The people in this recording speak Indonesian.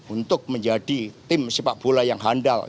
untuk menjadi tim sepak bola yang handal